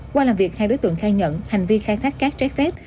qua làm việc hai đối tượng khai nhận hành vi khai thác cát trái phép